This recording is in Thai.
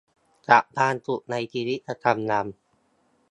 กับความสุขในชีวิตประจำวัน